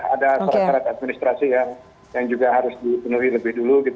ada syarat syarat administrasi yang juga harus dipenuhi lebih dulu